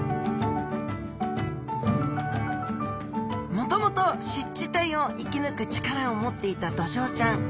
もともと湿地帯を生き抜く力を持っていたドジョウちゃん。